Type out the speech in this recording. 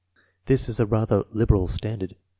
This is a rather liberal standard.